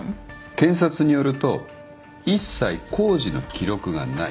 検察によると一切工事の記録がない。